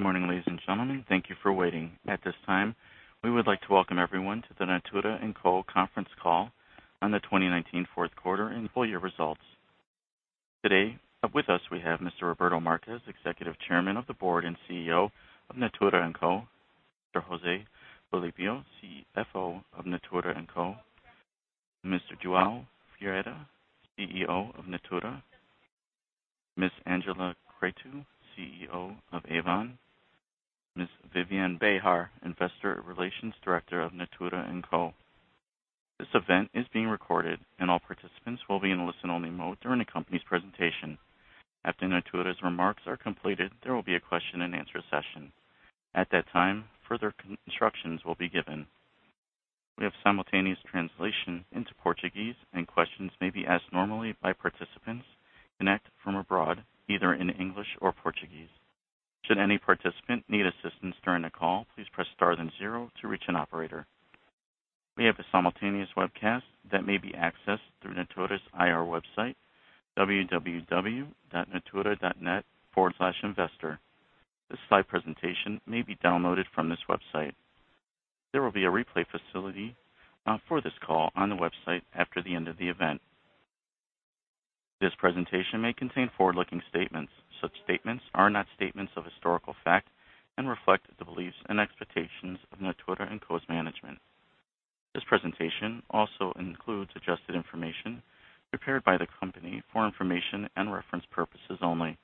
Good morning, ladies and gentlemen. Thank you for waiting. At this time, we would like to welcome everyone to the Natura &Co conference call on the 2019 fourth quarter and full year results. Today, with us we have Mr. Roberto Marques, Executive Chairman of the Board and Group CEO of Natura &Co, Mr. José Filippo, Chief Financial Officer of Natura &Co, Mr. João Ferreira, Chief Executive Officer of Natura, Ms. Angela Cretu, CEO of Avon, Ms. Viviane Behar, Investor Relations Director of Natura &Co. This event is being recorded. All participants will be in listen-only mode during the company's presentation. After Natura's remarks are completed, there will be a question-and-answer session. At that time, further instructions will be given. We have simultaneous translation into Portuguese. Questions may be asked normally by participants connect from abroad, either in English or Portuguese. Should any participant need assistance during the call, please press star then zero to reach an operator. We have a simultaneous webcast that may be accessed through Natura's IR website, www.natura.net/investor. This slide presentation may be downloaded from this website. There will be a replay facility for this call on the website after the end of the event. This presentation may contain forward-looking statements. Such statements are not statements of historical fact and reflect the beliefs and expectations of Natura &Co's management. This presentation also includes adjusted information prepared by the company for information and reference purposes only,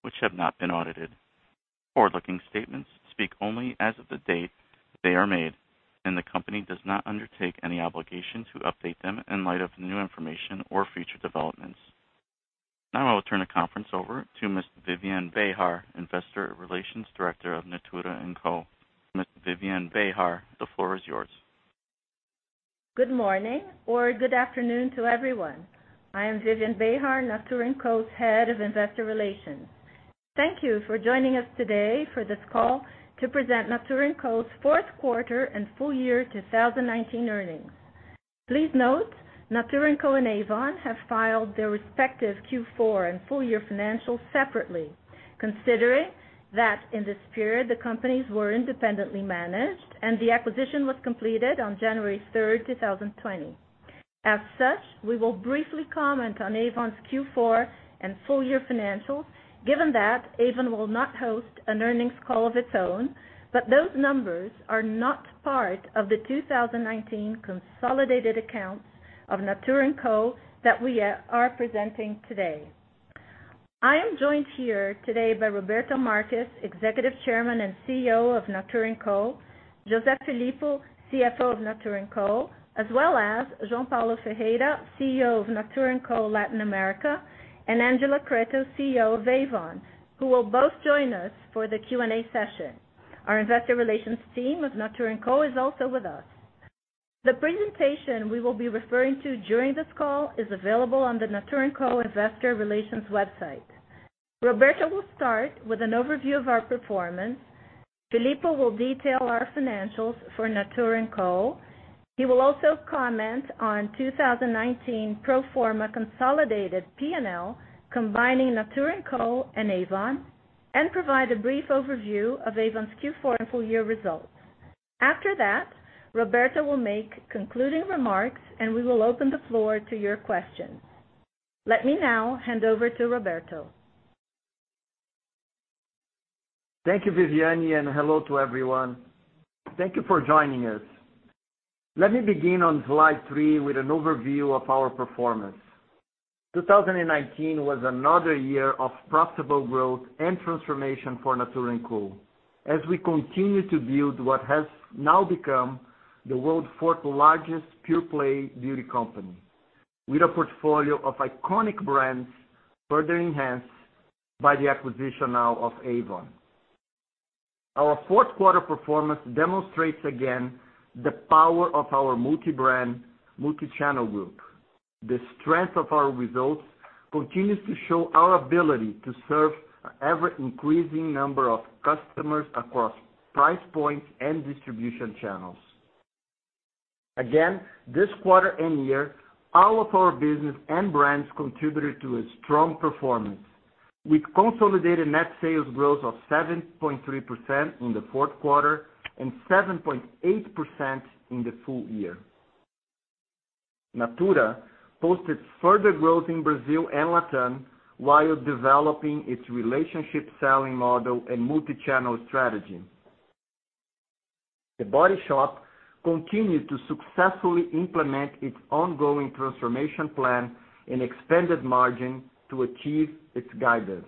which have not been audited. Forward-looking statements speak only as of the date they are made, and the company does not undertake any obligation to update them in light of new information or future developments. Now I will turn the conference over to Ms. Viviane Behar, Investor Relations Director of Natura & Co. Ms. Viviane Behar, the floor is yours. Good morning or good afternoon to everyone. I am Viviane Behar, Natura &Co.'s Head of Investor Relations. Thank you for joining us today for this call to present Natura &Co.'s fourth quarter and full year 2019 earnings. Please note, Natura &Co and Avon have filed their respective Q4 and full year financials separately, considering that in this period the companies were independently managed and the acquisition was completed on January 3rd, 2020. As such, we will briefly comment on Avon's Q4 and full year financials, given that Avon will not host an earnings call of its own, but those numbers are not part of the 2019 consolidated accounts of Natura &Co that we are presenting today. I am joined here today by Roberto Marques, Executive Chairman and CEO of Natura & Co., José Filippo, CFO of Natura & Co., as well as João Paulo Ferreira, CEO of Natura & Co. Latin America, and Angela Cretu, CEO of Avon, who will both join us for the Q and A session. Our investor relations team of Natura & Co is also with us. The presentation we will be referring to during this call is available on the Natura & Co. investor relations website. Roberto will start with an overview of our performance. Filippo will detail our financials for Natura & Co. He will also comment on 2019 pro forma consolidated P&L, combining Natura & Co. and Avon, and provide a brief overview of Avon's Q4 and full year results. After that, Roberto will make concluding remarks, and we will open the floor to your questions. Let me now hand over to Roberto. Thank you, Viviane, and hello to everyone. Thank you for joining us. Let me begin on slide three with an overview of our performance. 2019 was another year of profitable growth and transformation for Natura &Co as we continue to build what has now become the world's fourth largest pure-play beauty company, with a portfolio of iconic brands further enhanced by the acquisition now of Avon. Our fourth quarter performance demonstrates again the power of our multi-brand, multi-channel group. The strength of our results continues to show our ability to serve an ever-increasing number of customers across price points and distribution channels. Again, this quarter and year, all of our business and brands contributed to a strong performance, with consolidated net sales growth of 7.3% in the fourth quarter and 7.8% in the full year. Natura posted further growth in Brazil and Latin while developing its relationship selling model and multi-channel strategy. The Body Shop continued to successfully implement its ongoing transformation plan and expanded margin to achieve its guidance.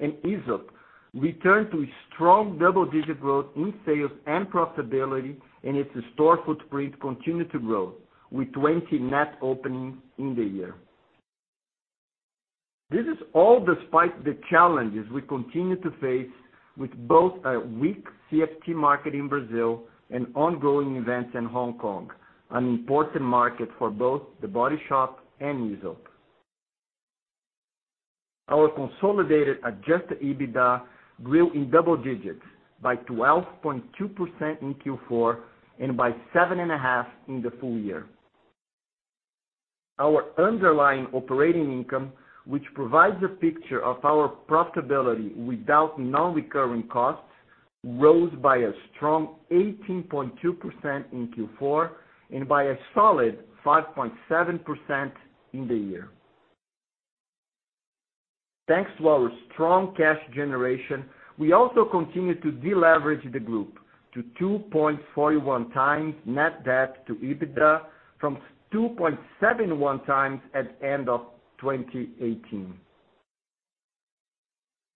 Aesop returned to a strong double-digit growth in sales and profitability, and its store footprint continued to grow, with 20 net openings in the year. This is all despite the challenges we continue to face with both a weak CFT market in Brazil and ongoing events in Hong Kong, an important market for both The Body Shop and Aesop. Our consolidated Adjusted EBITDA grew in double digits by 12.2% in Q4 and by 7.5% in the full year. Our underlying operating income, which provides a picture of our profitability without non-recurring costs, rose by a strong 18.2% in Q4 and by a solid 5.7% in the year. Thanks to our strong cash generation, we also continued to de-leverage the group to 2.41 times net debt to EBITDA from 2.71 times at the end of 2018.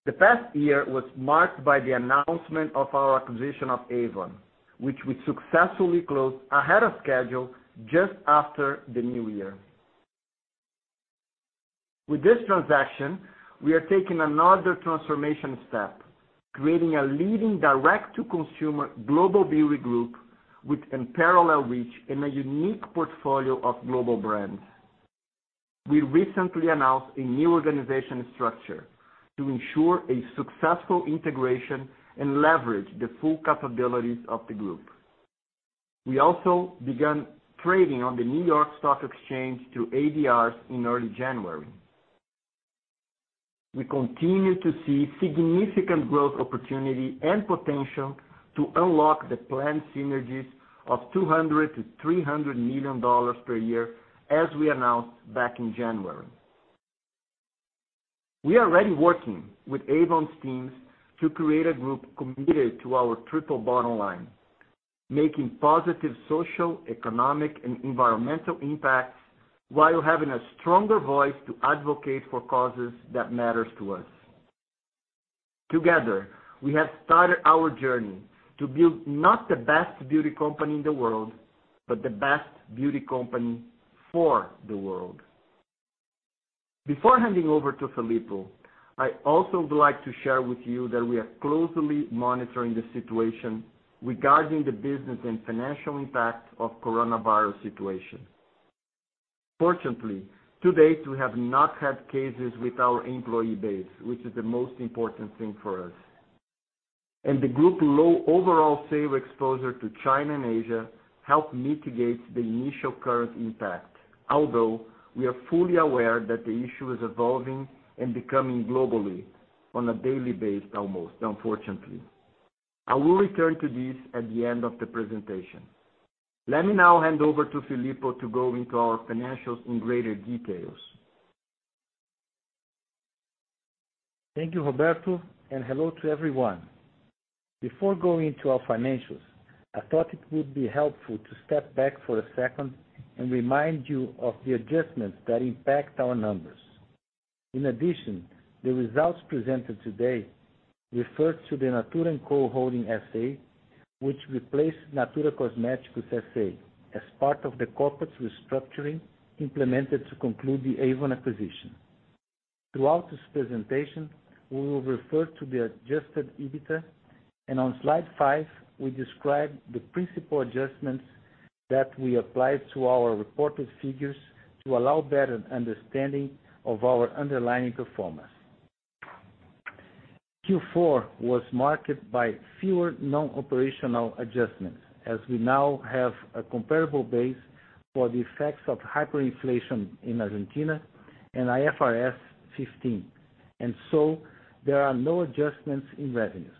The past year was marked by the announcement of our acquisition of Avon, which we successfully closed ahead of schedule just after the new year. With this transaction, we are taking another transformation step, creating a leading direct-to-consumer global beauty group with unparalleled reach and a unique portfolio of global brands. We recently announced a new organization structure to ensure a successful integration and leverage the full capabilities of the group. We also began trading on the New York Stock Exchange through ADRs in early January. We continue to see significant growth opportunity and potential to unlock the planned synergies of BRL 200 million-BRL 300 million per year, as we announced back in January. We are already working with Avon's teams to create a group committed to our triple bottom line, making positive social, economic, and environmental impacts while having a stronger voice to advocate for causes that matter to us. Together, we have started our journey to build not the best beauty company in the world, but the best beauty company for the world. Before handing over to Filippo, I also would like to share with you that we are closely monitoring the situation regarding the business and financial impact of coronavirus situation. Fortunately, to date, we have not had cases with our employee base, which is the most important thing for us. The group low overall sale exposure to China and Asia help mitigate the initial current impact. We are fully aware that the issue is evolving and becoming globally on a daily basis almost, unfortunately. I will return to this at the end of the presentation. Let me now hand over to Filippo to go into our financials in greater details. Thank you, Roberto, and hello to everyone. Before going into our financials, I thought it would be helpful to step back for a second and remind you of the adjustments that impact our numbers. The results presented today refer to the Natura & Co Holding S.A., which replaced Natura Cosméticos S.A. as part of the corporate restructuring implemented to conclude the Avon acquisition. Throughout this presentation, we will refer to the Adjusted EBITDA. On slide five, we describe the principal adjustments that we applied to our reported figures to allow better understanding of our underlying performance. Q4 was marked by fewer non-operational adjustments, as we now have a comparable base for the effects of hyperinflation in Argentina and IFRS 15. There are no adjustments in revenues.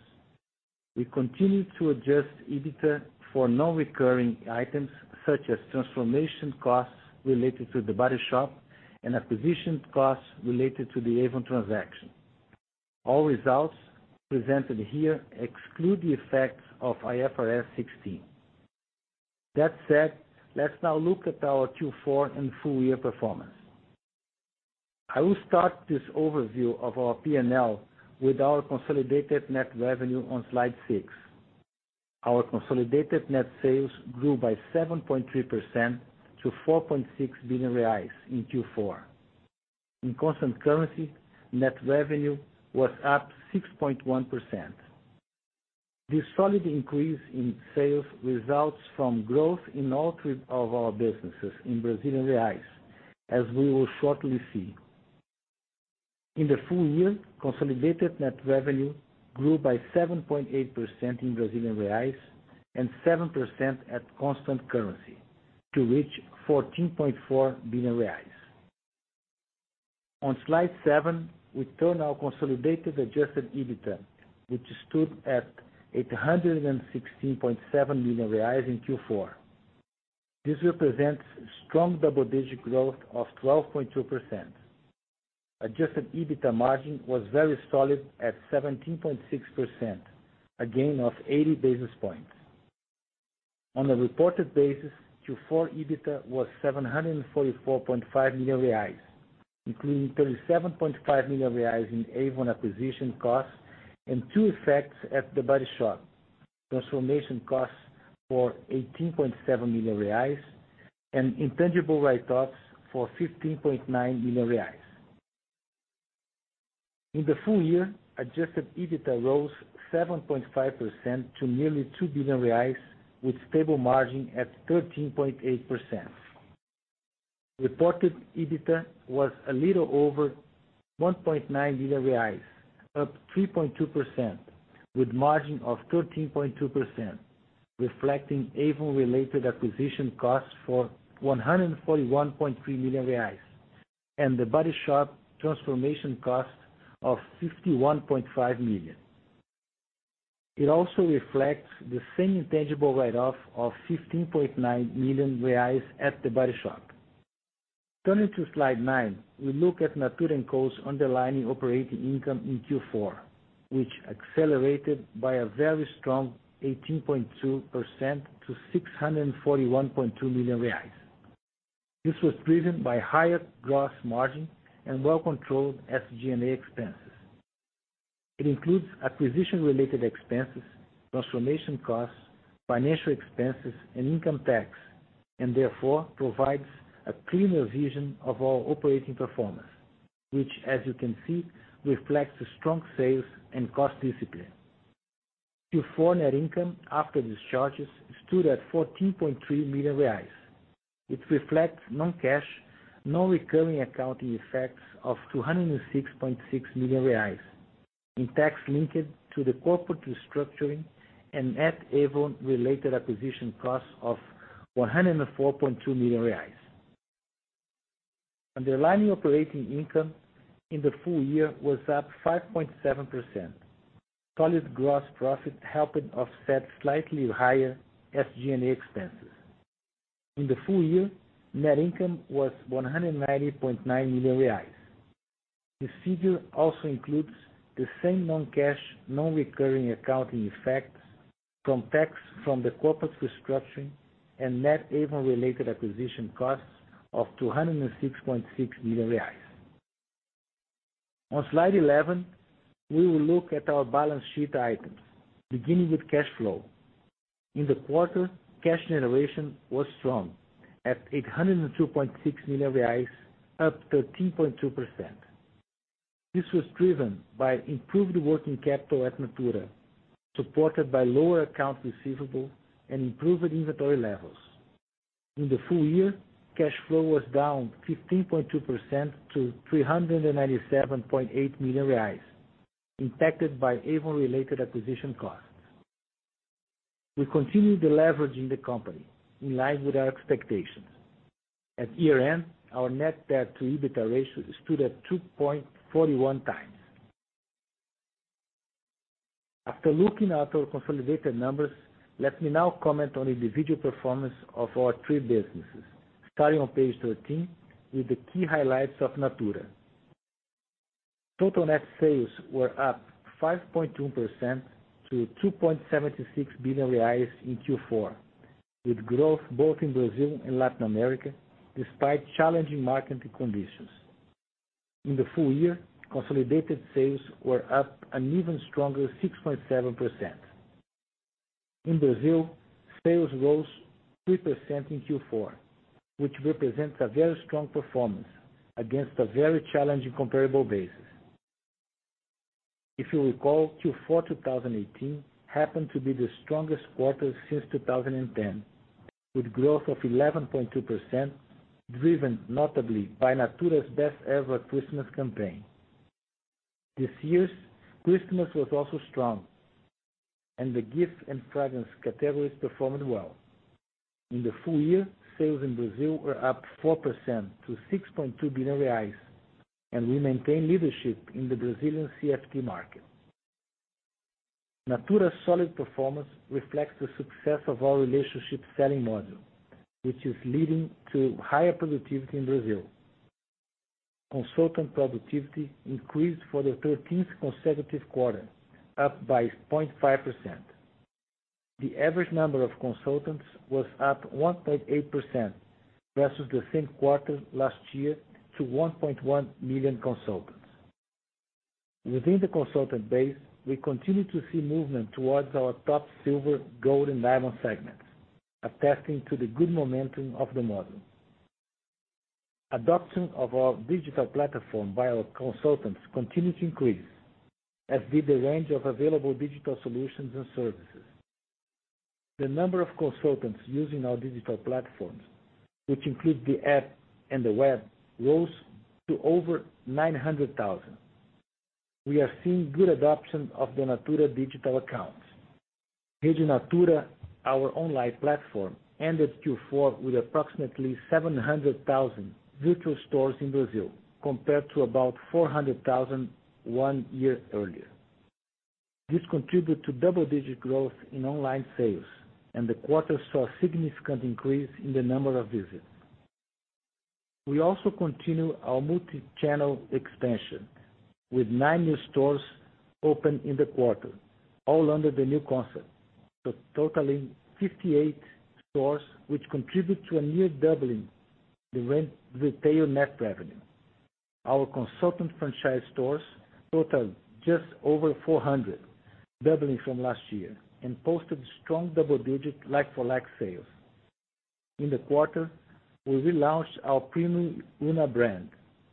We continue to Adjust EBITDA for non-recurring items, such as transformation costs related to The Body Shop and acquisition costs related to the Avon transaction. All results presented here exclude the effects of IFRS 16. That said, let's now look at our Q4 and full-year performance. I will start this overview of our P&L with our consolidated net revenue on slide six. Our consolidated net sales grew by 7.3% to 4.6 billion reais in Q4. In constant currency, net revenue was up 6.1%. This solid increase in sales results from growth in all three of our businesses in Brazilian Real, as we will shortly see. In the full year, consolidated net revenue grew by 7.8% in Brazilian Real and 7% at constant currency to reach 14.4 billion reais. On slide seven, we turn our consolidated Adjusted EBITDA, which stood at 816.7 million reais in Q4. This represents strong double-digit growth of 12.2%. Adjusted EBITDA margin was very solid at 17.6%, a gain of 80 basis points. On a reported basis, Q4 EBITDA was 744.5 million reais, including 37.5 million reais in Avon acquisition costs and two effects at The Body Shop. Transformation costs for 18.7 million reais and intangible write-offs for 15.9 million reais. In the full year, Adjusted EBITDA rose 7.5% to nearly 2 billion reais with stable margin at 13.8%. Reported EBITDA was a little over 1.9 billion reais, up 3.2%, with margin of 13.2%. Reflecting Avon related acquisition costs for 141.3 million reais and The Body Shop transformation cost of 51.5 million. It also reflects the same intangible write-off of 15.9 million reais at The Body Shop. Turning to slide nine, we look at Natura & Co.'s underlying operating income in Q4, which accelerated by a very strong 18.2% to 641.2 million reais. This was driven by higher gross margin and well-controlled SG&A expenses. It includes acquisition-related expenses, transformation costs, financial expenses, and income tax, and therefore provides a cleaner vision of our operating performance, which as you can see, reflects strong sales and cost discipline. Q4 net income after discharges stood at 14.3 million reais. It reflects non-cash, non-recurring accounting effects of 206.6 million reais in tax linked to the corporate restructuring and net Avon-related acquisition costs of BRL 104.2 million. Underlying operating income in the full year was up 5.7%. Solid gross profit helping offset slightly higher SG&A expenses. In the full year, net income was 190.9 million reais. This figure also includes the same non-cash, non-recurring accounting effects from tax from the corporate restructuring and net Avon-related acquisition costs of 206.6 million reais. On slide 11, we will look at our balance sheet items, beginning with cash flow. In the quarter, cash generation was strong at 802.6 million reais, up 13.2%. This was driven by improved working capital at Natura, supported by lower accounts receivable and improved inventory levels. In the full year, cash flow was down 15.2% to 397.8 million reais, impacted by Avon related acquisition costs. We continue de-leveraging the company in line with our expectations. At year-end, our net debt to EBITDA ratio stood at 2.41 times. After looking at our consolidated numbers, let me now comment on individual performance of our three businesses. Starting on page 13 with the key highlights of Natura. Total net sales were up 5.2% to 2.76 billion reais in Q4, with growth both in Brazil and Latin America, despite challenging market conditions. In the full year, consolidated sales were up an even stronger 6.7%. In Brazil, sales rose 3% in Q4, which represents a very strong performance against a very challenging comparable basis. If you recall, Q4 2018 happened to be the strongest quarter since 2010, with growth of 11.2% driven notably by Natura's best ever Christmas campaign. This year's Christmas was also strong, and the gift and fragrance categories performed well. In the full year, sales in Brazil were up 4% to 6.2 billion reais, and we maintained leadership in the Brazilian CFT market. Natura's solid performance reflects the success of our relationship selling model, which is leading to higher productivity in Brazil. Consultant productivity increased for the 13th consecutive quarter, up by 0.5%. The average number of consultants was up 1.8% versus the same quarter last year to 1.1 million consultants. Within the consultant base, we continue to see movement towards our top silver, gold, and diamond segments, attesting to the good momentum of the model. Adoption of our digital platform by our consultants continued to increase, as did the range of available digital solutions and services. The number of consultants using our digital platforms, which include the app and the web, rose to over 900,000. We are seeing good adoption of the Natura digital accounts. Rede Natura, our online platform, ended Q4 with approximately 700,000 virtual stores in Brazil compared to about 400,000 one year earlier. This contributed to double-digit growth in online sales, and the quarter saw a significant increase in the number of visits. We also continue our multi-channel expansion with nine new stores open in the quarter, all under the new concept, so totaling 58 stores, which contribute to a near doubling the retail net revenue. Our consultant franchise stores total just over 400, doubling from last year and posted strong double-digit like-for-like sales. In the quarter, we relaunched our premium Una brand,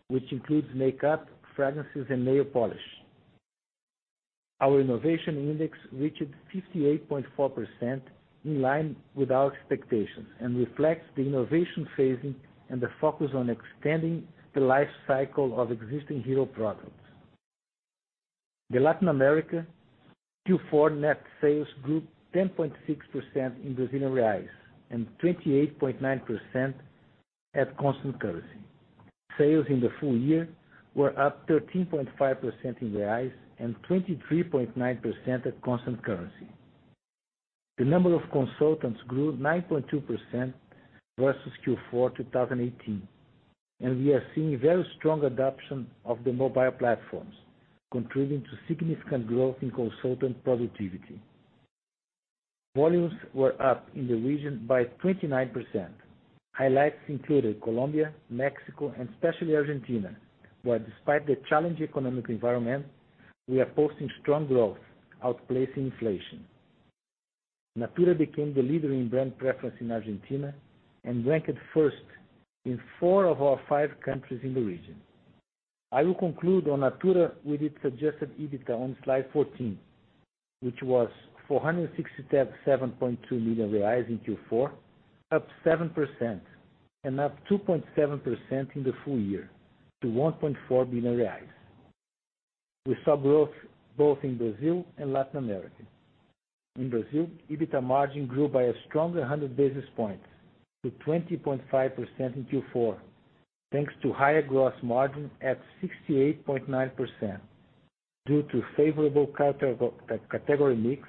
which includes makeup, fragrances, and nail polish. Our innovation index reached 58.4%, in line with our expectations and reflects the innovation phasing and the focus on extending the life cycle of existing hero products. The Latin America Q4 net sales grew 10.6% in Real and 28.9% at constant currency. Sales in the full year were up 13.5% in Real and 23.9% at constant currency. The number of consultants grew 9.2% versus Q4 2018, and we are seeing very strong adoption of the mobile platforms, contributing to significant growth in consultant productivity. Volumes were up in the region by 29%. Highlights included Colombia, Mexico, and especially Argentina, where despite the challenging economic environment, we are posting strong growth, outplacing inflation. Natura became the leader in brand preference in Argentina and ranked first in four of our five countries in the region. I will conclude on Natura with its Adjusted EBITDA on slide 14, which was 467.2 million reais in Q4, up 7%, and up 2.7% in the full year to 1.4 billion reais. We saw growth both in Brazil and Latin America. In Brazil, EBITDA margin grew by a strong 100 basis points to 20.5% in Q4, thanks to higher gross margin at 68.9%, due to favorable category mix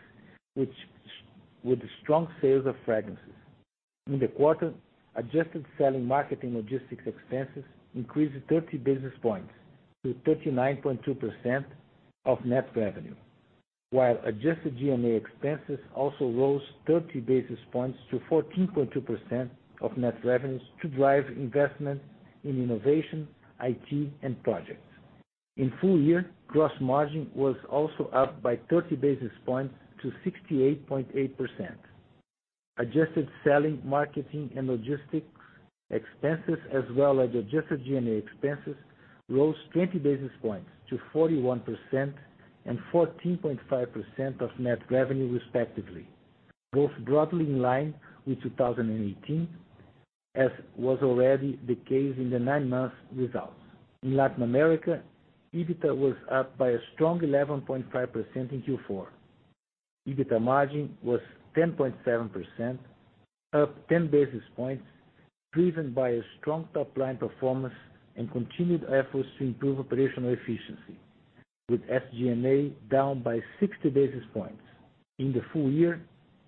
with strong sales of fragrances. In the quarter, adjusted selling, marketing, logistics expenses increased 30 basis points to 39.2% of net revenue, while adjusted G&A expenses also rose 30 basis points to 14.2% of net revenues to drive investment in innovation, IT, and projects. In full year, gross margin was also up by 30 basis points to 68.8%. Adjusted selling, marketing, and logistics expenses, as well as adjusted G&A expenses, rose 20 basis points to 41% and 14.5% of net revenue, respectively, both broadly in line with 2018, as was already the case in the nine months results. In Latin America, EBITDA was up by a strong 11.5% in Q4. EBITDA margin was 10.7%, up 10 basis points, driven by a strong top-line performance and continued efforts to improve operational efficiency, with SG&A down by 60 basis points. In the full year,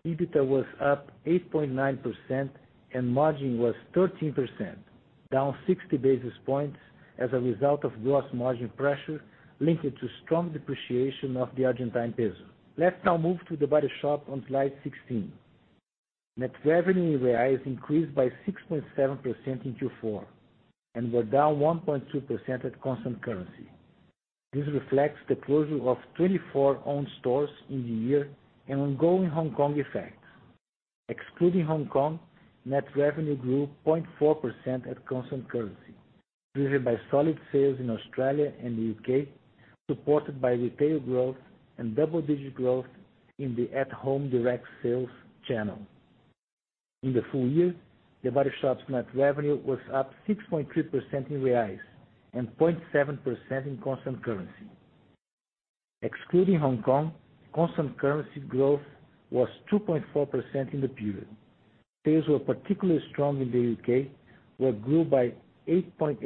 EBITDA was up 8.9% and margin was 13%, down 60 basis points as a result of gross margin pressure linked to strong depreciation of the Argentine peso. Let's now move to The Body Shop on slide 16. Net revenue in Real increased by 6.7% in Q4 and were down 1.2% at constant currency. This reflects the closure of 24 owned stores in the year and ongoing Hong Kong effects. Excluding Hong Kong, net revenue grew 0.4% at constant currency, driven by solid sales in Australia and the U.K., supported by retail growth and double-digit growth in The Body Shop At Home direct sales channel. In the full year, The Body Shop's net revenue was up 6.3% in Real and 0.7% in constant currency. Excluding Hong Kong, constant currency growth was 2.4% in the period. Sales were particularly strong in the U.K., where it grew by 8.8%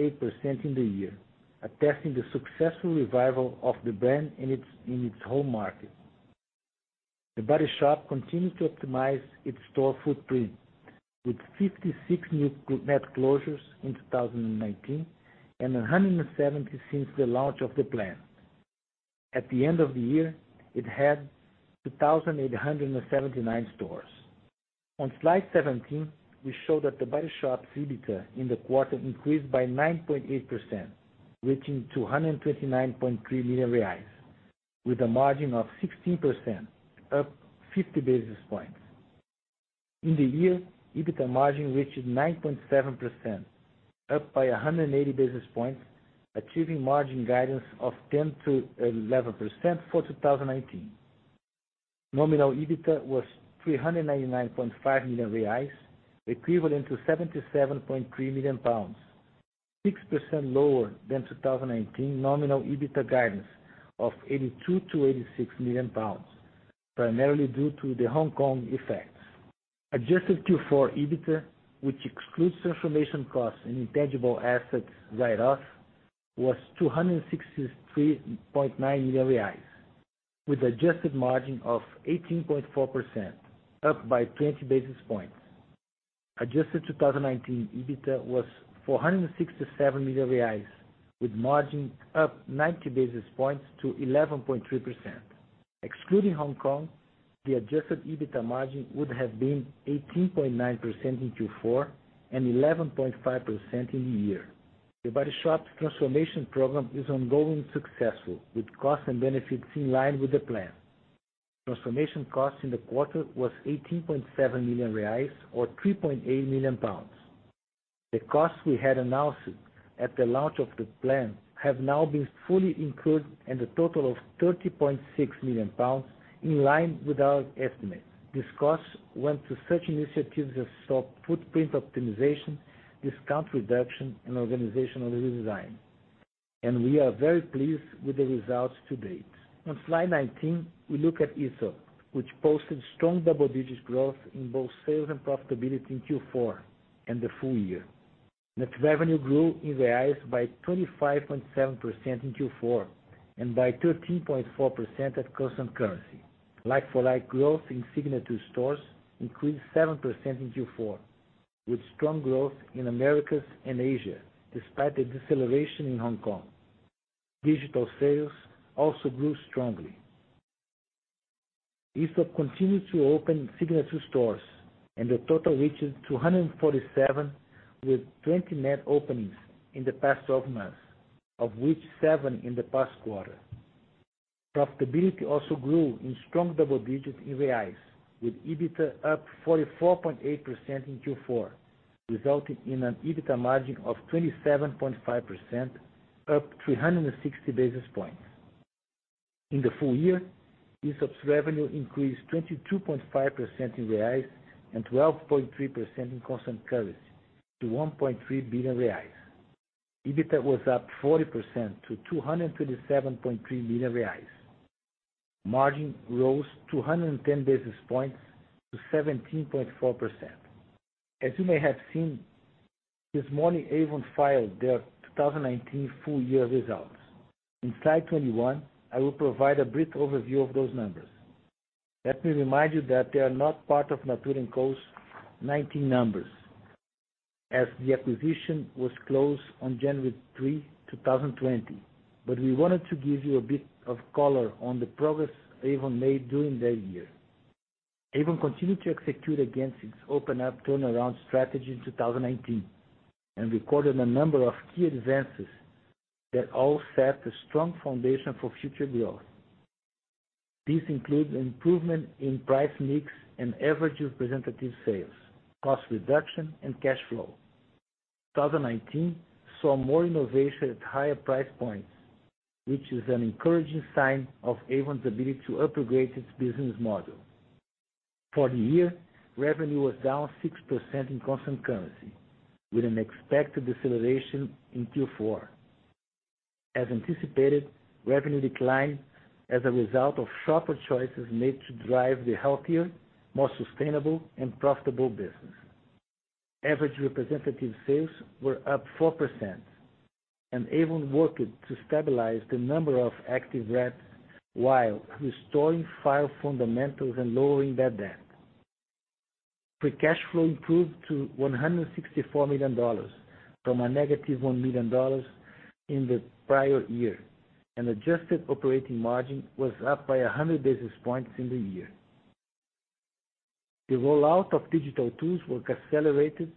in the year, attesting the successful revival of the brand in its home market. The Body Shop continued to optimize its store footprint with 56 net closures in 2019 and 170 since the launch of the plan. At the end of the year, it had 2,879 stores. On slide 17, we show that The Body Shop's EBITDA in the quarter increased by 9.8%, reaching 229.3 million reais with a margin of 16%, up 50 basis points. In the year, EBITDA margin reached 9.7%, up by 180 basis points, achieving margin guidance of 10%-11% for 2019. Nominal EBITDA was 399.5 million reais, equivalent to 77.3 million pounds, 6% lower than 2019 nominal EBITDA guidance of 82 million-86 million pounds, primarily due to the Hong Kong effects. Adjusted Q4 EBITDA, which excludes transformation costs and intangible assets write-off, was 263.9 million reais, with adjusted margin of 18.4%, up by 20 basis points. Adjusted 2019 EBITDA was 467 million reais, with margin up 90 basis points to 11.3%. Excluding Hong Kong, the Adjusted EBITDA margin would have been 18.9% in Q4 and 11.5% in the year. The Body Shop's transformation program is ongoing successful, with costs and benefits in line with the plan. Transformation costs in the quarter was 18.7 million reais or 3.8 million pounds. The costs we had announced at the launch of the plan have now been fully incurred and a total of 30.6 million pounds, in line with our estimates. These costs went to such initiatives as shop footprint optimization, discount reduction, and organizational redesign. We are very pleased with the results to date. On slide 19, we look at Aesop, which posted strong double-digit growth in both sales and profitability in Q4 and the full year. Net revenue grew in Real by 25.7% in Q4 and by 13.4% at constant currency. Like-for-like growth in signature stores increased 7% in Q4, with strong growth in Americas and Asia, despite a deceleration in Hong Kong. Digital sales also grew strongly. Aesop continued to open signature stores and the total reached 247 with 20 net openings in the past 12 months, of which seven in the past quarter. Profitability also grew in strong double digits in Real, with EBITDA up 44.8% in Q4, resulting in an EBITDA margin of 27.5%, up 360 basis points. In the full year, Aesop's revenue increased 22.5% invReal and 12.3% in constant currency to 1.3 billion reais. EBITDA was up 40% to 227.3 million reais. Margin rose 210 basis points to 17.4%. As you may have seen this morning, Avon filed their 2019 full-year results. In slide 21, I will provide a brief overview of those numbers. Let me remind you that they are not part of Natura &Co's 2019 numbers, as the acquisition was closed on January 3, 2020, but we wanted to give you a bit of color on the progress Avon made during that year. Avon continued to execute against its Open Up Avon in 2019 and recorded a number of key advances that all set a strong foundation for future growth. These include improvement in price mix and average representative sales, cost reduction, and cash flow. 2019 saw more innovation at higher price points, which is an encouraging sign of Avon's ability to upgrade its business model. For the year, revenue was down 6% in constant currency, with an expected deceleration in Q4. As anticipated, revenue declined as a result of sharper choices made to drive the healthier, more sustainable and profitable business. Average representative sales were up 4% and Avon worked to stabilize the number of active reps while restoring file fundamentals and lowering bad debt. Free cash flow improved to $164 million from a -$1 million in the prior year, and adjusted operating margin was up by 100 basis points in the year. The rollout of digital tools were accelerated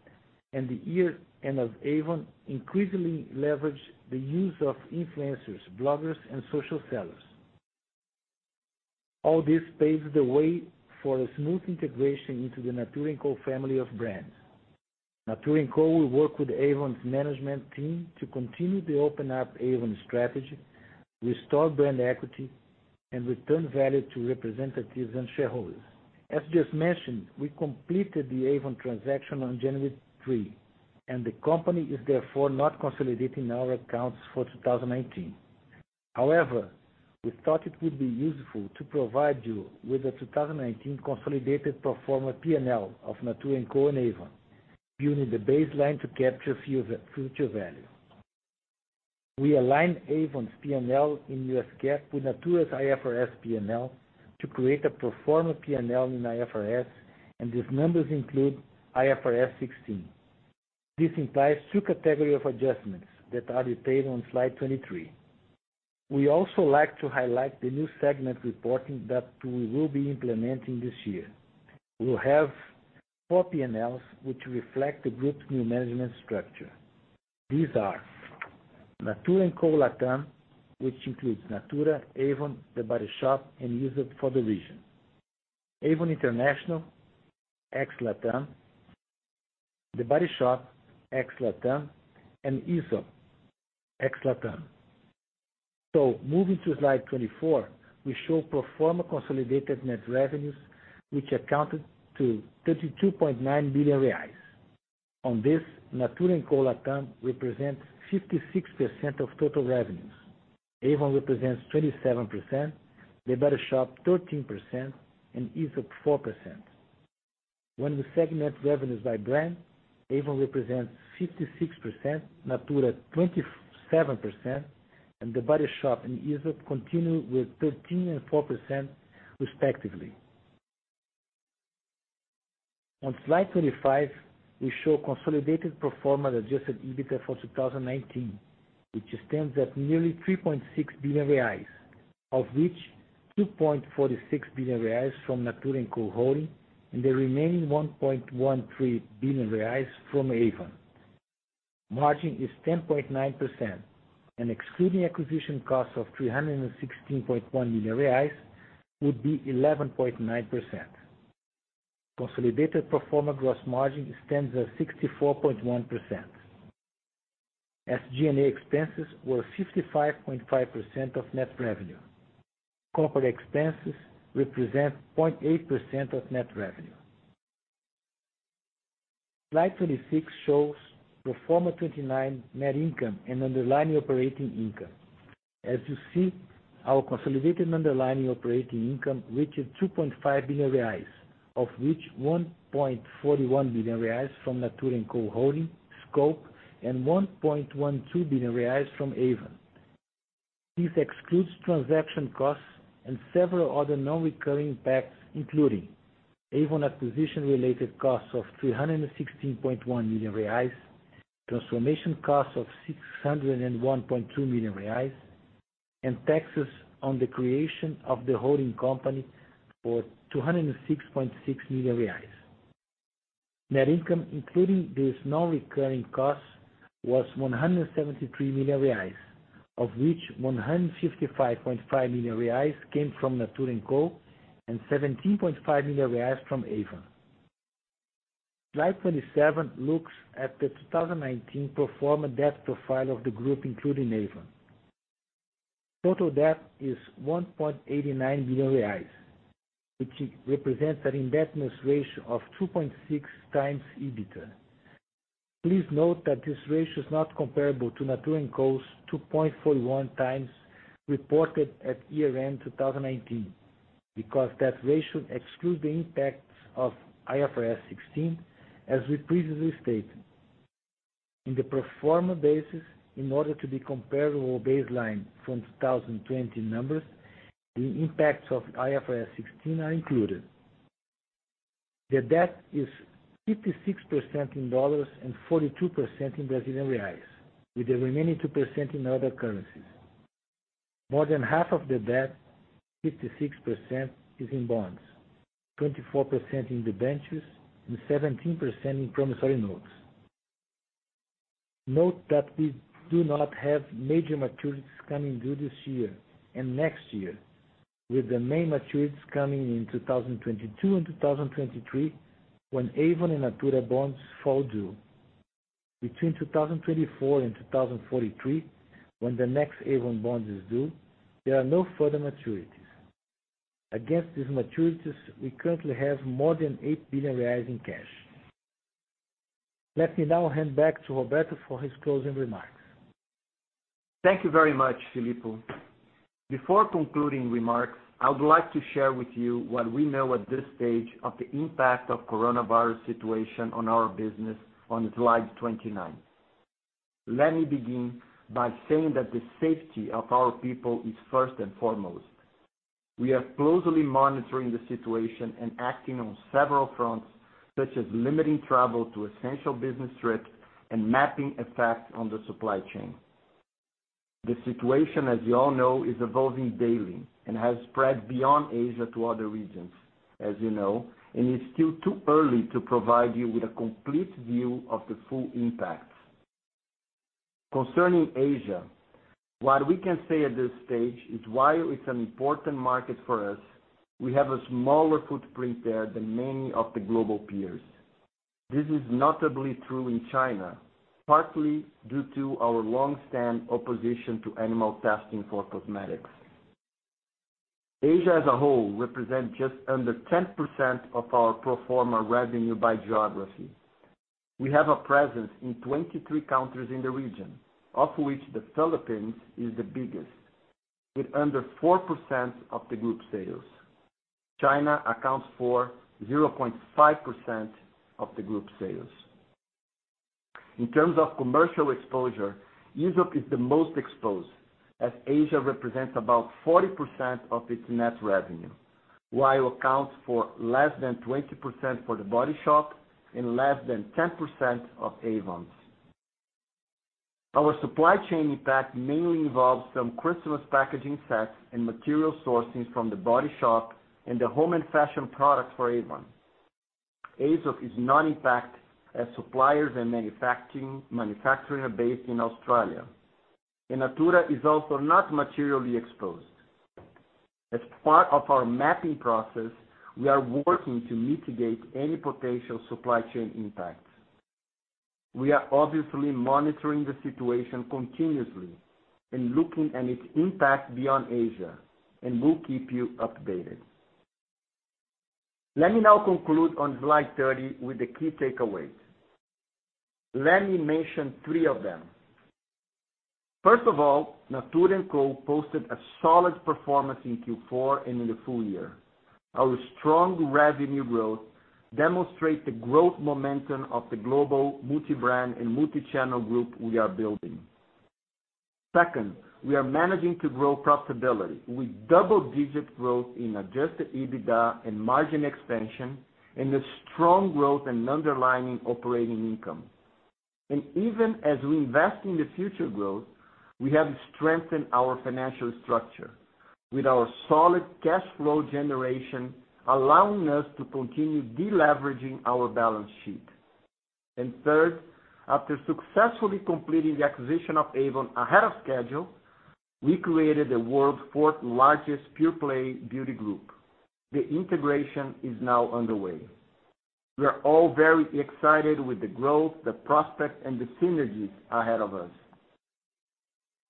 and the year end of Avon increasingly leveraged the use of influencers, bloggers, and social sellers. All this paves the way for a smooth integration into the Natura &Co family of brands. Natura &Co will work with Avon's management team to continue the Open Up Avon strategy, restore brand equity, and return value to representatives and shareholders. As just mentioned, we completed the Avon transaction on January 3, and the company is therefore not consolidating our accounts for 2019. However, we thought it would be useful to provide you with a 2019 consolidated pro forma P&L of Natura &Co and Avon, giving the baseline to capture future value. We align Avon's P&L in U.S. GAAP with Natura's IFRS P&L to create a pro forma P&L in IFRS, and these numbers include IFRS 16. This implies two category of adjustments that are detailed on slide 23. We also like to highlight the new segment reporting that we will be implementing this year. We'll have four P&Ls which reflect the group's new management structure. These are Natura &Co LATAM, which includes Natura, Avon, The Body Shop and Aesop for the region, Avon International ex LATAM, The Body Shop ex LATAM, and Aesop ex LATAM. Moving to slide 24, we show pro forma consolidated net revenues, which accounted to 32.9 billion reais. On this, Natura &Co LATAM represents 56% of total revenues. Avon represents 27%, The Body Shop 13%, and Aesop 4%. When we segment revenues by brand, Avon represents 56%, Natura 27%, and The Body Shop and Aesop continue with 13% and 4% respectively. On slide 25, we show consolidated pro forma Adjusted EBITDA for 2019, which stands at nearly 3.6 billion reais, of which 2.46 billion reais from Natura & Co Holding and the remaining 1.13 billion reais from Avon. Margin is 10.9% and excluding acquisition cost of 316.1 billion reais would be 11.9%. Consolidated pro forma gross margin stands at 64.1%. SG&A expenses were 55.5% of net revenue. Corporate expenses represent 0.8% of net revenue. Slide 26 shows pro forma 2019 net income and underlying operating income. As you see, our consolidated underlying operating income reached 2.5 billion reais, of which 1.41 billion reais from Natura & Co Holding scope and 1.12 billion reais from Avon. This excludes transaction costs and several other non-recurring impacts, including Avon acquisition related costs of 316.1 million reais, transformation costs of 601.2 million reais, and taxes on the creation of the holding company for 206.6 million reais. Net income, including these non-recurring costs, was 173 million reais, of which 155.5 million reais came from Natura & Co and 17.5 million reais from Avon. Slide 27 looks at the 2019 pro forma debt profile of the group, including Avon. Total debt is 1.89 billion reais, which represents an indebtedness ratio of 2.6 times EBITDA. Please note that this ratio is not comparable to Natura & Co's 2.41 times reported at year-end 2019 because that ratio excludes the impacts of IFRS 16, as we previously stated. In the pro forma basis, in order to be comparable baseline from 2020 numbers, the impacts of IFRS 16 are included. The debt is 56% in dollars and 42% in Real, with the remaining 2% in other currencies. More than half of the debt, 56%, is in bonds, 24% in debentures and 17% in promissory notes. Note that we do not have major maturities coming due this year and next year, with the main maturities coming in 2022 and 2023 when Avon and Natura bonds fall due. Between 2024 and 2043, when the next Avon bond is due, there are no further maturities. Against these maturities, we currently have more than 8 billion reais in cash. Let me now hand back to Roberto for his closing remarks. Thank you very much, Filippo. Before concluding remarks, I would like to share with you what we know at this stage of the impact of coronavirus situation on our business on slide 29. Let me begin by saying that the safety of our people is first and foremost. We are closely monitoring the situation and acting on several fronts, such as limiting travel to essential business trips and mapping impact on the supply chain. The situation, as you all know, is evolving daily and has spread beyond Asia to other regions, as you know, and it's still too early to provide you with a complete view of the full impacts. Concerning Asia, what we can say at this stage is while it's an important market for us, we have a smaller footprint there than many of the global peers. This is notably true in China, partly due to our long-standing opposition to animal testing for cosmetics. Asia as a whole represents just under 10% of our pro forma revenue by geography. We have a presence in 23 countries in the region, of which the Philippines is the biggest, with under 4% of the group sales. China accounts for 0.5% of the group sales. In terms of commercial exposure, Aesop is the most exposed, as Asia represents about 40% of its net revenue, while accounts for less than 20% for The Body Shop and less than 10% of Avon's. Our supply chain impact mainly involves some Christmas packaging sets and material sourcing from The Body Shop and the home and fashion products for Avon. Aesop is not impacted as suppliers and manufacturing are based in Australia. Natura is also not materially exposed. As part of our mapping process, we are working to mitigate any potential supply chain impacts. We are obviously monitoring the situation continuously and looking at its impact beyond Asia, and will keep you updated. Let me now conclude on slide 30 with the key takeaways. Let me mention three of them. First of all, Natura & Co posted a solid performance in Q4 and in the full year. Our strong revenue growth demonstrate the growth momentum of the global multi-brand and multi-channel group we are building. Second, we are managing to grow profitability with double-digit growth in Adjusted EBITDA and margin expansion and a strong growth and underlying operating income. Even as we invest in the future growth, we have strengthened our financial structure with our solid cash flow generation allowing us to continue de-leveraging our balance sheet. Third, after successfully completing the acquisition of Avon ahead of schedule, we created the world's fourth largest pure-play beauty group. The integration is now underway. We are all very excited with the growth, the prospect and the synergies ahead of us.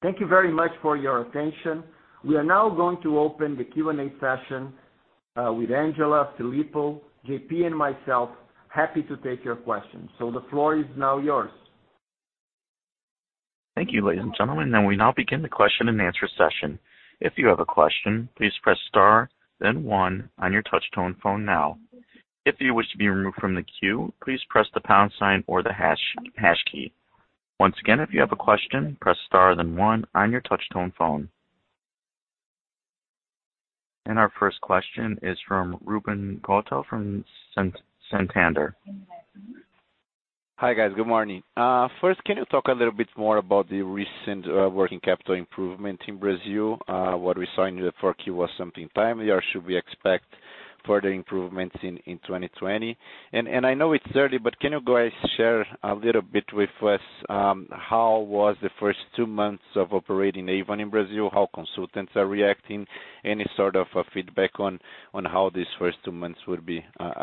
Thank you very much for your attention. We are now going to open the Q and A session with Angela, Filippo, JP, and myself. Happy to take your questions. The floor is now yours. Thank you, ladies and gentlemen. We now begin the question-and-answer session. If you have a question, please press star, then one on your touch-tone phone now. If you wish to be removed from the queue, please press the pound sign or the hash key. Once again, if you have a question, press star then one on your touch-tone phone. Our first question is from Ruben Couto from Santander. Hi, guys. Good morning. First, can you talk a little bit more about the recent working capital improvement in Brazil? What we saw in the Q4 was something timely, or should we expect further improvements in 2020? I know it's early, but can you guys share a little bit with us, how was the first two months of operating Avon in Brazil? How consultants are reacting? Any sort of feedback on how these first two months would be,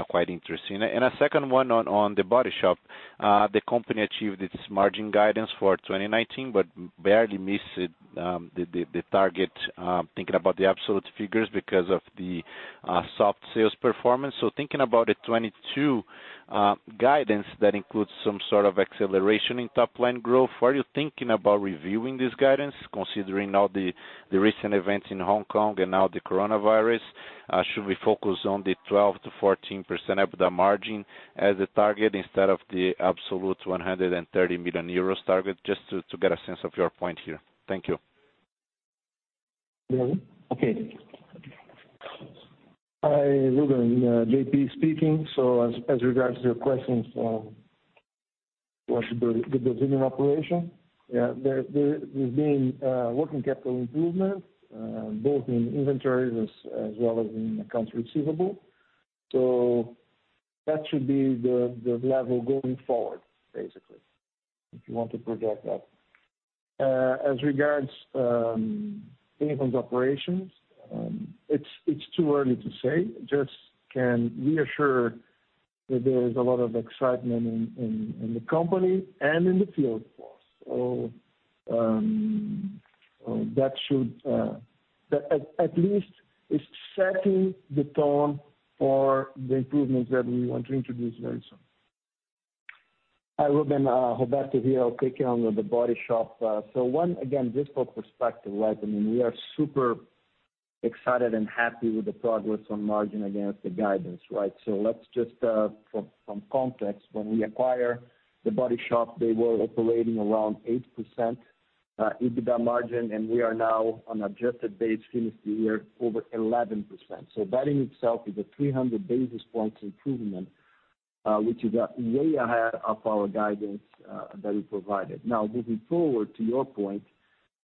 quite interesting. A second one on The Body Shop. The company achieved its margin guidance for 2019, but barely missed the target. Thinking about the absolute figures because of the soft sales performance. Thinking about the 2022 guidance that includes some sort of acceleration in top-line growth, are you thinking about reviewing this guidance considering all the recent events in Hong Kong and now the coronavirus? Should we focus on the 12%-14% EBITDA margin as a target instead of the absolute 130 million euros target? Just to get a sense of your point here. Thank you. Okay. Hi, Ruben. JP speaking. As regards to your questions on the Brazilian operation. There has been working capital improvement both in inventories as well as in accounts receivable. That should be the level going forward, basically, if you want to project that. As regards Avon's operations, it's too early to say. I just can reassure that there is a lot of excitement in the company and in the field force. That at least is setting the tone for the improvements that we want to introduce very soon. Hi, Ruben. Roberto here. I'll take on The Body Shop. One, again, just for perspective, right? We are super excited and happy with the progress on margin against the guidance, right? Let's just, from context, when we acquired The Body Shop, they were operating around 8% EBITDA margin, and we are now on adjusted base finished the year over 11%. That in itself is a 300 basis points improvement, which is way ahead of our guidance that we provided. Now, moving forward to your point,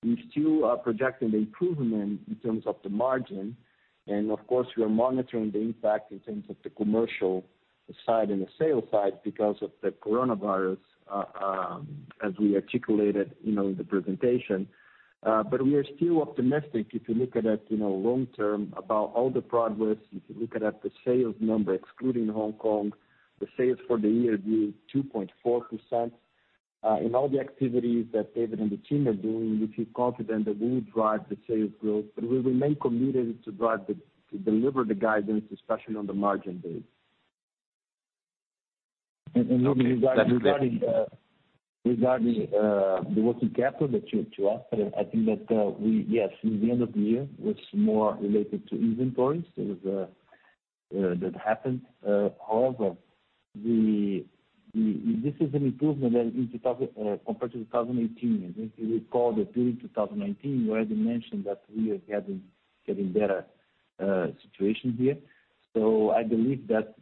we still are projecting the improvement in terms of the margin. Of course, we are monitoring the impact in terms of the commercial side and the sales side because of the coronavirus, as we articulated in the presentation. We are still optimistic if you look at it long term about all the progress. If you look at the sales number excluding Hong Kong, the sales for the year grew 2.4%. In all the activities that David and the team are doing, we feel confident that we will drive the sales growth, but we remain committed to deliver the guidance, especially on the margin base. Okay, that's clear. Ruben regarding the working capital that you asked. I think that, yes, in the end of the year, it was more related to inventories that happened. However, this is an improvement compared to 2018. If you recall the period 2019, we already mentioned that we are getting better situation here. I believe that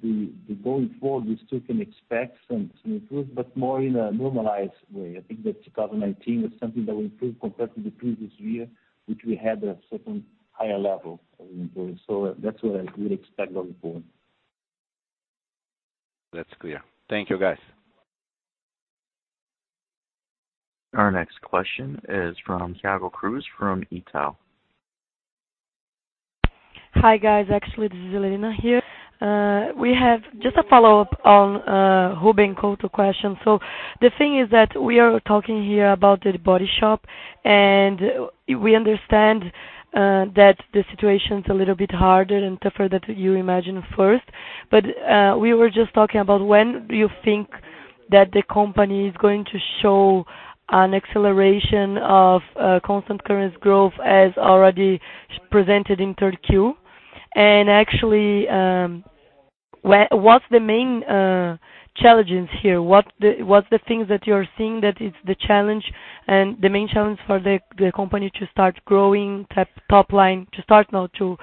going forward, we still can expect some improvement, but more in a normalized way. I think that 2019 was something that we improved compared to the previous year, which we had a certain higher level of inventory. That's what I would expect going forward. That's clear. Thank you, guys. Our next question is from Thiago Macruz from Itaú. Hi, guys. Actually, this is Elena here. We have just a follow-up on Ruben Couto question. The thing is that we are talking here about The Body Shop, and we understand that the situation's a little bit harder and tougher than you imagined at first. We were just talking about when do you think that the company is going to show an acceleration of constant currency growth as already presented in Q3? Actually, what's the main challenges here? What's the things that you're seeing that is the challenge and the main challenge for the company to start growing top line, to start now to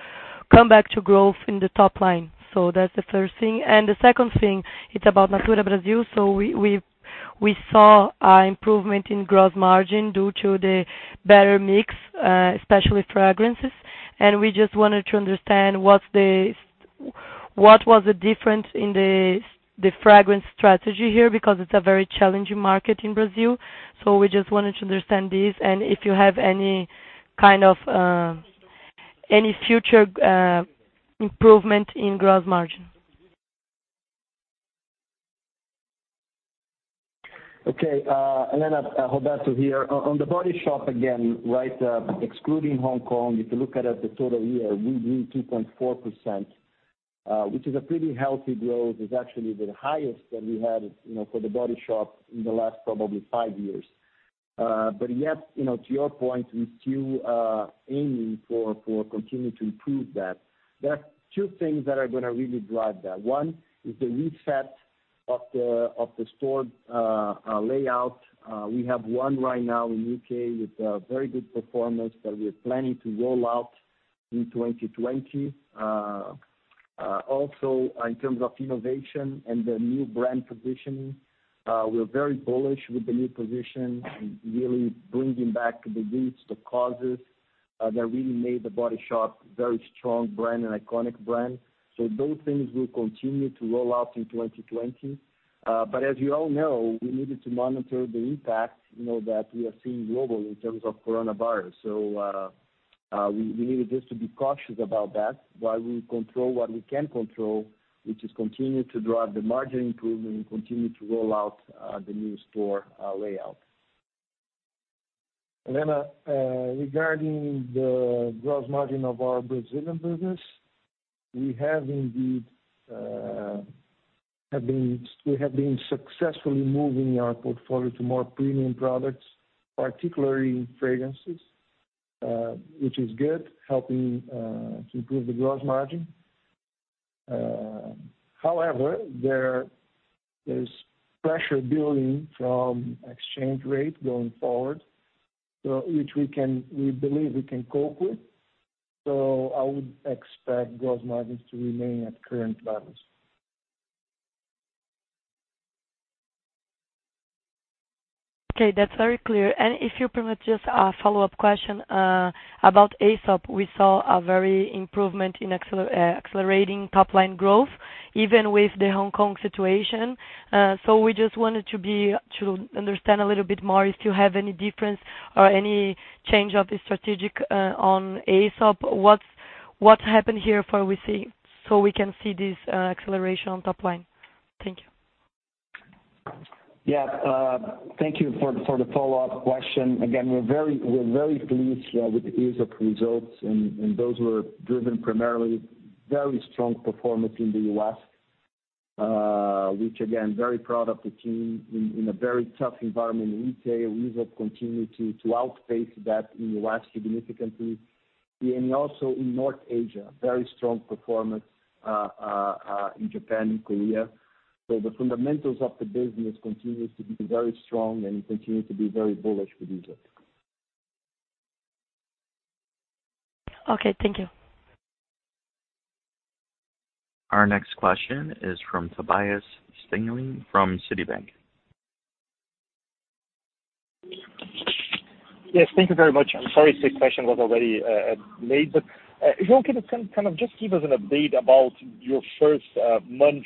come back to growth in the top line? That's the first thing. The second thing, it's about Natura Brasil. We saw improvement in gross margin due to the better mix, especially fragrances. We just wanted to understand what was the difference in the fragrance strategy here, because it's a very challenging market in Brazil. We just wanted to understand this and if you have any future improvement in gross margin. Okay. Elena, Roberto here. On The Body Shop again, excluding Hong Kong, if you look at the total year, we grew 2.4%, which is a pretty healthy growth. It's actually the highest that we had for The Body Shop in the last probably five years. But yet, to your point, we're still aiming to continue to improve that. There are two things that are going to really drive that. One is the reset of the store layout. We have one right now in U.K. with very good performance that we are planning to roll out in 2020. Also, in terms of innovation and the new brand positioning, we're very bullish with the new position, really bringing back the roots, the causes, that really made The Body Shop a very strong brand, an iconic brand. Those things will continue to roll out in 2020. As you all know, we needed to monitor the impact that we are seeing globally in terms of coronavirus. We needed just to be cautious about that while we control what we can control, which is continue to drive the margin improvement and continue to roll out the new store layout. Elena, regarding the gross margin of our Brazilian business, we have been successfully moving our portfolio to more premium products, particularly in fragrances, which is good, helping to improve the gross margin. However, there is pressure building from exchange rate going forward, which we believe we can cope with. I would expect gross margins to remain at current levels. Okay, that's very clear. If you permit, just a follow-up question about Aesop. We saw improvement in accelerating top-line growth even with the Hong Kong situation. We just wanted to understand a little bit more if you have any difference or any change of the strategic on Aesop. What's happened here so we can see this acceleration on top line? Thank you. Yeah. Thank you for the follow-up question. Again, we're very pleased with the Aesop results, and those were driven primarily very strong performance in the U.S., which again, very proud of the team in a very tough environment in retail. We have continued to outpace that in the U.S. significantly. Also in North Asia, very strong performance in Japan, in Korea. The fundamentals of the business continues to be very strong and we continue to be very bullish for Aesop. Okay, thank you. Our next question is from Tobias Stingelin from Citibank. Yes, thank you very much. I'm sorry if this question was already made, but if you want to just give us an update about your first month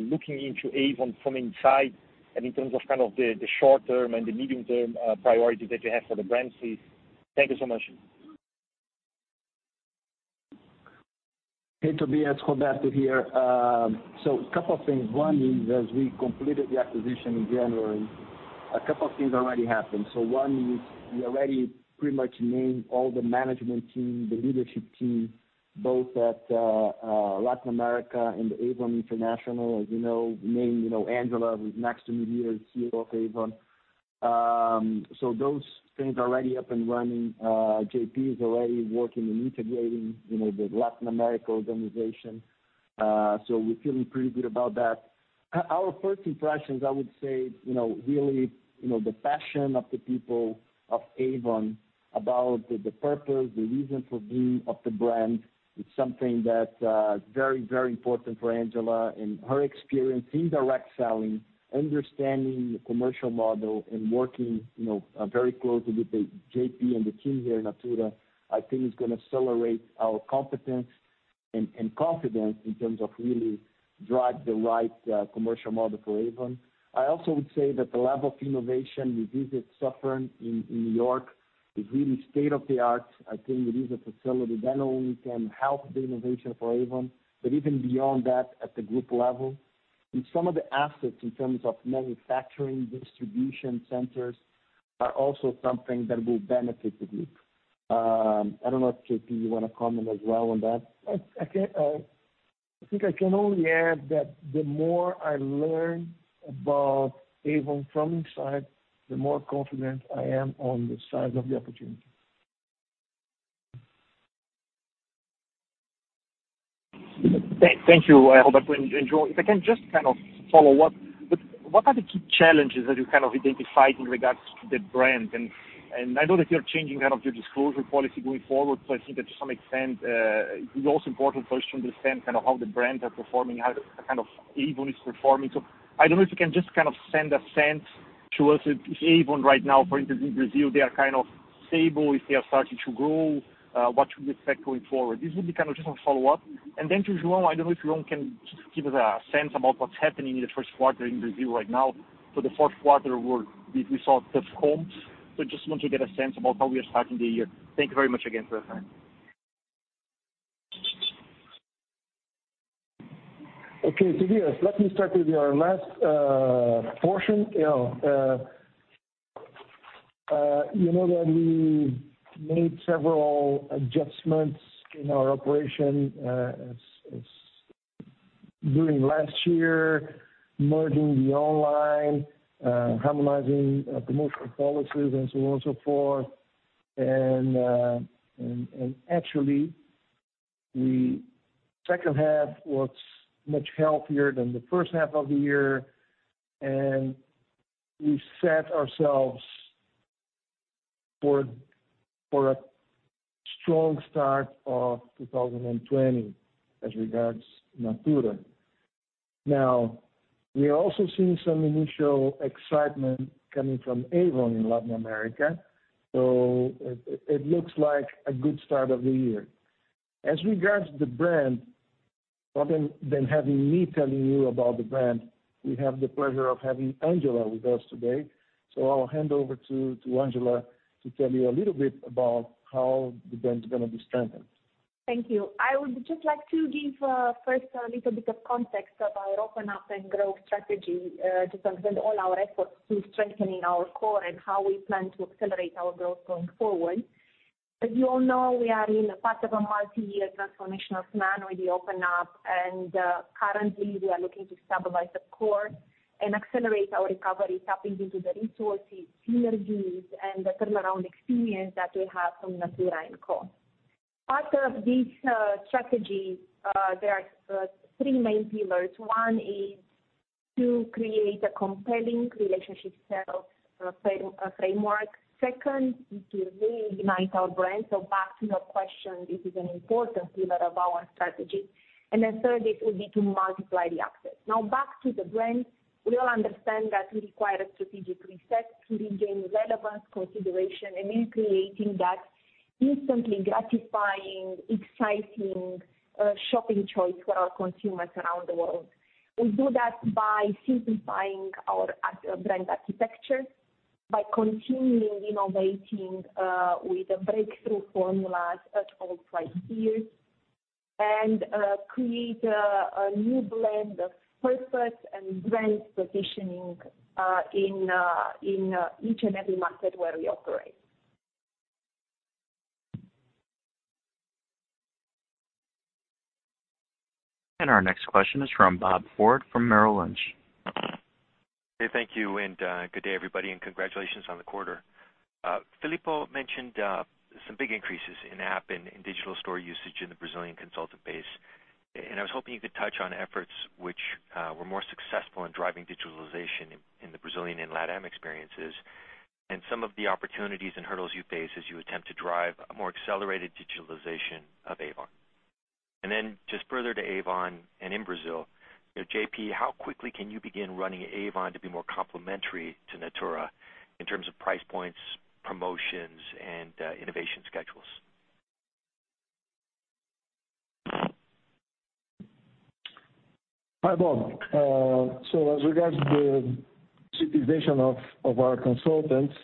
looking into Avon from inside and in terms of the short term and the medium term priorities that you have for the brand, please. Thank you so much. Hey, Tobias, Roberto here. A couple of things. One is, as we completed the acquisition in January, a couple of things already happened. One is we already pretty much named all the management team, the leadership team, both at Latin America and Avon International. As you know, we named Angela, who's next to me here, CEO of Avon. Those things are already up and running. JP is already working on integrating the Latin America organization. We're feeling pretty good about that. Our first impressions, I would say, really the passion of the people of Avon about the purpose, the reason for being of the brand is something that's very important for Angela and her experience in direct selling, understanding the commercial model and working very closely with JP and the team here at Natura, I think is going to accelerate our competence and confidence in terms of really drive the right commercial model for Avon. I also would say that the level of innovation we visited Suffern in N.Y. is really state of the art. I think it is a facility that not only can help the innovation for Avon, but even beyond that at the group level. Some of the assets in terms of manufacturing, distribution centers are also something that will benefit the group. I don't know if JP, you want to comment as well on that. I think I can only add that the more I learn about Avon from inside, the more confident I am on the size of the opportunity. Thank you, Roberto and João. If I can just kind of follow up. What are the key challenges that you identified in regards to the brand? I know that you're changing your disclosure policy going forward. I think that to some extent, it's also important for us to understand how the brands are performing, how Avon is performing. I don't know if you can just kind of send a sense to us if Avon right now, for instance, in Brazil, they are kind of stable, if they are starting to grow, what should we expect going forward? This would be kind of just a follow-up. Then to João, I don't know if João can just give us a sense about what's happening in the first quarter in Brazil right now. The fourth quarter we saw tough comps. I just want to get a sense about how we are starting the year. Thank you very much again for your time. Okay. Yes, let me start with our last portion. You know that we made several adjustments in our operation during last year, merging the online, harmonizing promotional policies and so on and so forth. Actually, the second half was much healthier than the first half of the year, and we set ourselves for a strong start of 2020 as regards Natura. We are also seeing some initial excitement coming from Avon in Latin America. It looks like a good start of the year. As regards the brand, rather than having me telling you about the brand, we have the pleasure of having Angela with us today. I'll hand over to Angela to tell you a little bit about how the brand's going to be strengthened. Thank you. I would just like to give first a little bit of context about Open Up Avon and growth strategy to transcend all our efforts to strengthening our core and how we plan to accelerate our growth going forward. As you all know, we are in a part of a multi-year transformational plan with the Open Up Avon, and currently, we are looking to stabilize the core and accelerate our recovery, tapping into the resources, synergies, and the turnaround experience that we have from Natura & Co. Part of these strategies, there are three main pillars. One is to create a compelling relationship sales framework. Second is to reignite our brand. Back to your question, this is an important pillar of our strategy. Third would be to multiply the access. Now, back to the brand, we all understand that we require a strategic reset to regain relevance, consideration, and then creating that instantly gratifying, exciting shopping choice for our consumers around the world. We do that by simplifying our brand architecture, by continuing innovating with breakthrough formulas at all price tiers, and create a new blend of purpose and brand positioning in each and every market where we operate. Our next question is from Robert Ford from Merrill Lynch. Thank you, and good day, everybody, and congratulations on the quarter. Filippo mentioned some big increases in app and in digital store usage in the Brazilian consultant base. I was hoping you could touch on efforts which were more successful in driving digitalization in the Brazilian and LATAM experiences and some of the opportunities and hurdles you face as you attempt to drive a more accelerated digitalization of Avon. Just further to Avon and in Brazil, JP, how quickly can you begin running Avon to be more complementary to Natura in terms of price points, promotions, and innovation schedules? Hi, Robert. As regards the digitization of our consultants,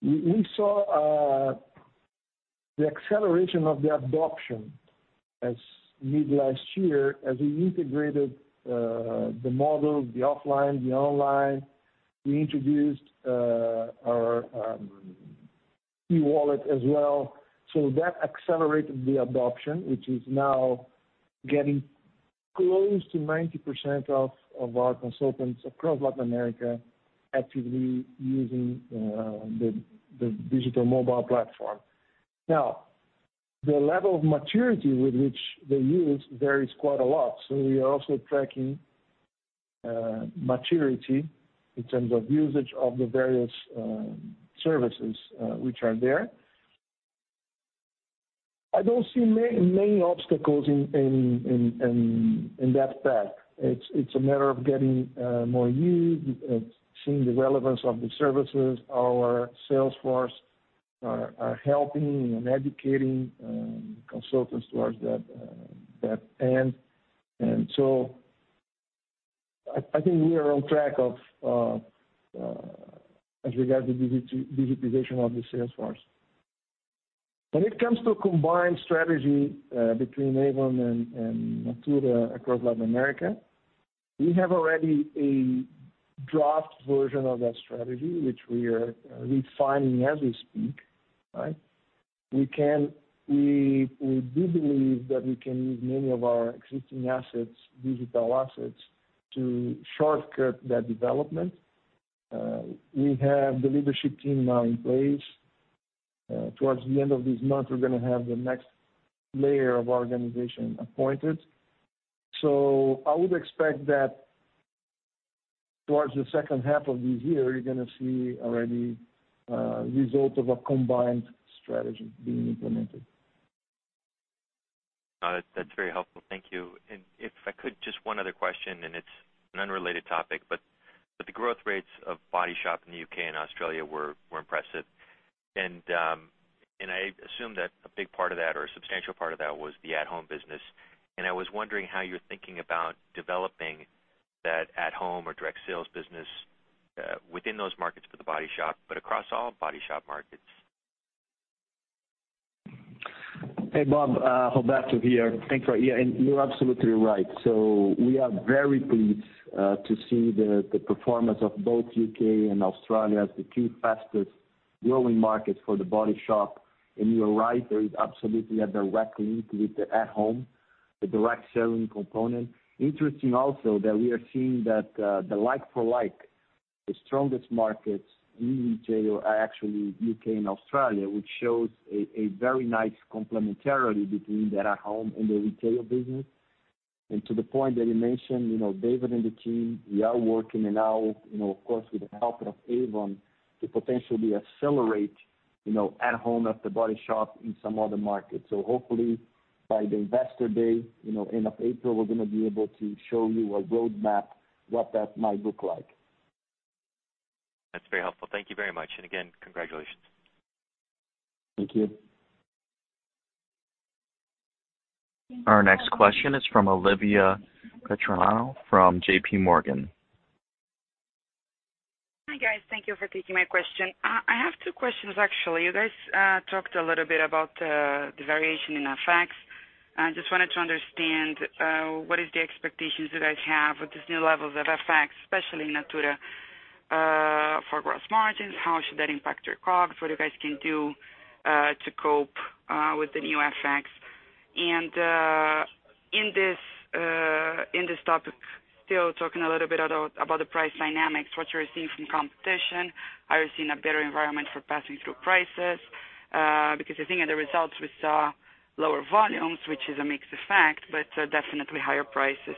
we saw the acceleration of the adoption as mid last year as we integrated the model, the offline, the online. We introduced our e-wallet as well. That accelerated the adoption, which is now getting close to 90% of our consultants across Latin America actively using the digital mobile platform. The level of maturity with which they use varies quite a lot. We are also tracking maturity in terms of usage of the various services which are there. I don't see many obstacles in that path. It's a matter of getting more use, seeing the relevance of the services. Our sales force are helping and educating consultants towards that end. I think we are on track as regards the digitization of the sales force. When it comes to a combined strategy between Avon and Natura across Latin America, we have already a draft version of that strategy, which we are refining as we speak, right? We do believe that we can use many of our existing assets, digital assets, to shortcut that development. We have the leadership team now in place. Towards the end of this month, we're going to have the next layer of organization appointed. I would expect that towards the second half of this year, you're going to see already a result of a combined strategy being implemented. Got it. That's very helpful. Thank you. If I could, just one other question, and it's an unrelated topic. The growth rates of The Body Shop in the U.K. and Australia were impressive. I assume that a big part of that or a substantial part of that was the at-home business. I was wondering how you're thinking about developing that at-home or direct sales business within those markets for The Body Shop, but across all The Body Shop markets. Hey, Bobert. Roberto here. Yeah, you're absolutely right. We are very pleased to see the performance of both U.K. and Australia as the two fastest growing markets for The Body Shop. You're right, there is absolutely a direct link with the At Home, the direct selling component. Interesting also that we are seeing that the like-for-like, the strongest markets in retail are actually U.K. and Australia, which shows a very nice complementarity between the At Home and the retail business. To the point that you mentioned, David and the team, we are working it out, of course, with the help of Avon, to potentially accelerate At Home of The Body Shop in some other markets. Hopefully, by the investor day, end of April, we're going to be able to show you a roadmap, what that might look like. Our next question is from Olivia Petronilho from JPMorgan. Hi, guys. Thank you for taking my question. I have two questions actually. You guys talked a little bit about the variation in FX. I just wanted to understand, what is the expectations you guys have with these new levels of FX, especially in Natura for gross margins? How should that impact your COGS? What you guys can do to cope with the new FX? In this topic, still talking a little bit about the price dynamics, what you receive from competition. Are you seeing a better environment for passing through prices? Because I think in the results we saw lower volumes, which is a mixed effect, but definitely higher prices.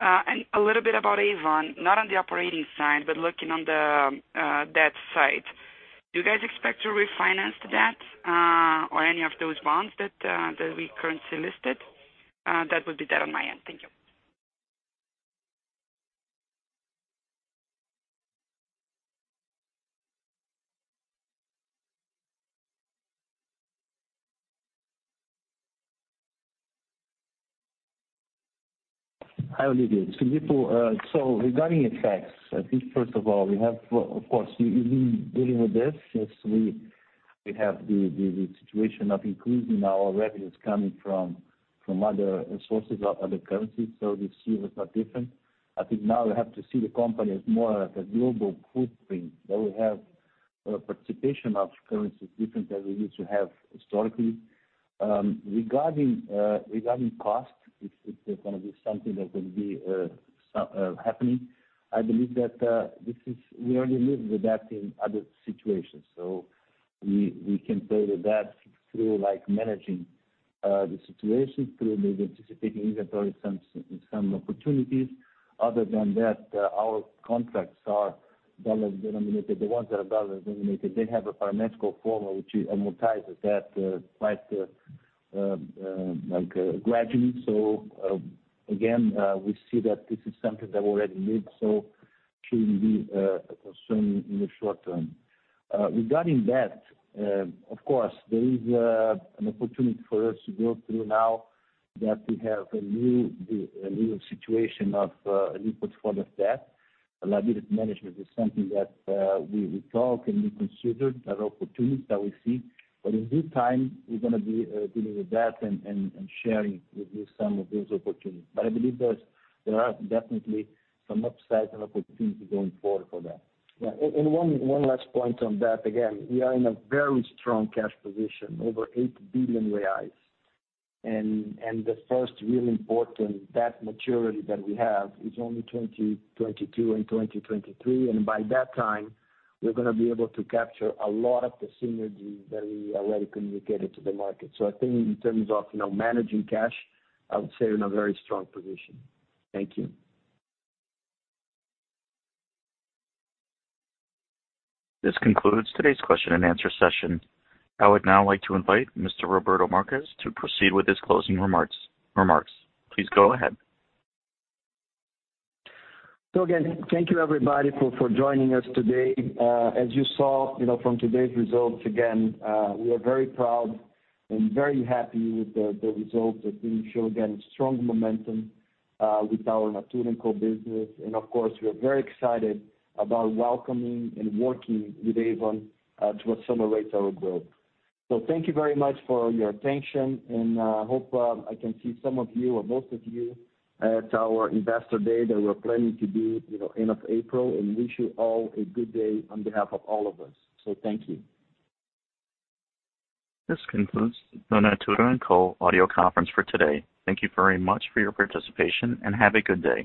A little bit about Avon, not on the operating side, but looking on the debt side. Do you guys expect to refinance debt or any of those bonds that we currently listed? That would be that on my end. Thank you. Hi, Olivia. Filippo. Regarding FX, I think first of all, we have, of course, we've been dealing with this since we have the situation of increasing our revenues coming from other sources or other currencies. This year was not different. I think now we have to see the company as more like a global footprint, that we have a participation of currencies different than we used to have historically. Regarding cost, it's going to be something that will be happening. I believe that we already live with that in other situations. We can play with that through managing the situation, through maybe anticipating inventory some opportunities. Other than that, our contracts are dollar-denominated. The ones that are dollar-denominated, they have a parametric formula, which amortizes that quite gradually. Again, we see that this is something that we already need, so it shouldn't be a concern in the short term. Regarding that, of course, there is an opportunity for us to go through now that we have a new situation of a new portfolio of debt. A liability management is something that we talk and we consider there are opportunities that we see. In due time, we're going to be dealing with that and sharing with you some of those opportunities. I believe there are definitely some upsides and opportunities going forward for that. Yeah. One last point on that. Again, we are in a very strong cash position, over 8 billion reais. The first really important debt maturity that we have is only 2022 and 2023. By that time, we're going to be able to capture a lot of the synergies that we already communicated to the market. I think in terms of managing cash, I would say we're in a very strong position. Thank you. This concludes today's question-and-answer session. I would now like to invite Mr. Roberto Marques to proceed with his closing remarks. Please go ahead. Again, thank you everybody for joining us today. As you saw from today's results, again, we are very proud and very happy with the results that we show. Again, strong momentum with our Natura & Co business. Of course, we are very excited about welcoming and working with Avon to accelerate our growth. Thank you very much for your attention, and I hope I can see some of you or most of you at our investor day that we're planning to do end of April, and wish you all a good day on behalf of all of us. Thank you. This concludes the Natura & Co audio conference for today. Thank Thank you very much for your participation, and have a good day.